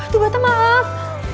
batu bata maaf